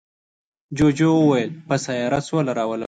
جوجو وویل په سیاره سوله راولم.